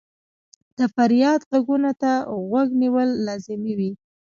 د فریاد ږغونو ته غوږ نیول لازمي وي.